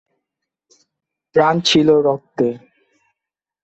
প্রাণ ছিল রক্তে।